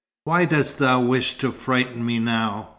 Why dost thou wish to frighten me now?"